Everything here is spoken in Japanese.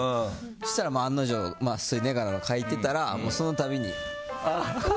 そうしたら案の定ネガなの書いてたらもうそのたびに。